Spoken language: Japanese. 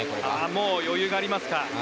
もう余裕がありますかね。